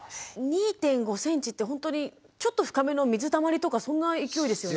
２．５ｃｍってほんとにちょっと深めの水たまりとかそんな勢いですよね。